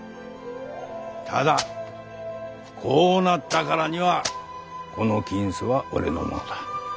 ただこうなったからにはこの金子は俺のものだ。